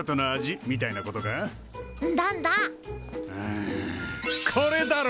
んこれだろ！